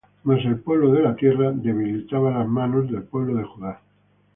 Mas el pueblo de la tierra debilitaba las manos del pueblo de Judá.